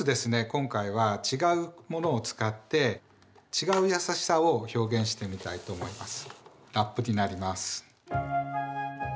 今回は違うものを使って違うやさしさを表現してみたいと思います。